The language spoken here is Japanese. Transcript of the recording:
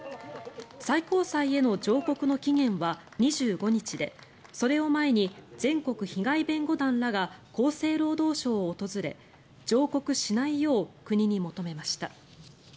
最高裁への上告の期限は２５日でそれを前に全国被害弁護団らが厚生労働省を訪れ上告しないよう国に求めました。